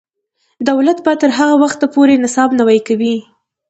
دولت به تر هغه وخته پورې نصاب نوی کوي.